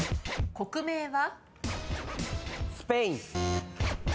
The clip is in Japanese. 国名は？